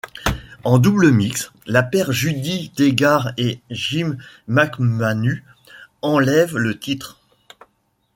En double mixte, la paire Judy Tegart et Jim McManus enlève le titre.